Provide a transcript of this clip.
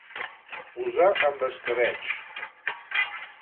Posar amb escabetx.